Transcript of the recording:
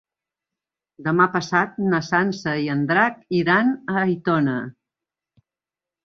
Demà passat na Sança i en Drac iran a Aitona.